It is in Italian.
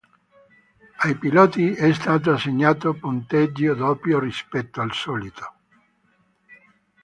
Ai piloti è stato assegnato punteggio doppio rispetto al solito.